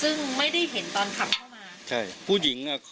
ซึ่งไม่ได้เห็นตอนขับเข้ามาใช่ผู้หญิงอ่ะ